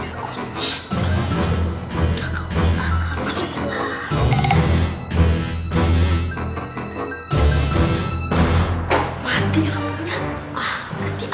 dot dot dot buka dot buka dot